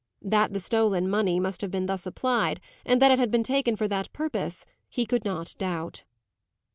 That the stolen money must have been thus applied, and that it had been taken for that purpose, he could not doubt.